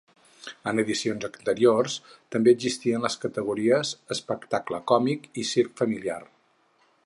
En edicions anteriors també existien les categories: espectacle còmic i circ familiar.